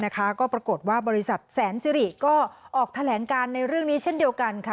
ก็ปรากฏว่าบริษัทแสนสิริก็ออกแถลงการในเรื่องนี้เช่นเดียวกันค่ะ